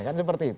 kan seperti itu